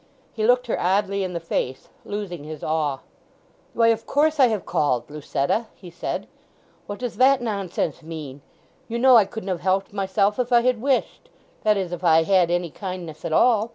He looked her oddly in the face, losing his awe. "Why, of course I have called, Lucetta," he said. "What does that nonsense mean? You know I couldn't have helped myself if I had wished—that is, if I had any kindness at all.